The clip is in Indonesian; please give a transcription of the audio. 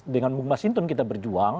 dengan bung mas hinton kita berjuang